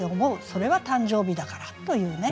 それは誕生日だからというね。